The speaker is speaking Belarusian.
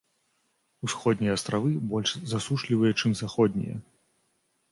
Усходнія астравы больш засушлівыя, чым заходнія.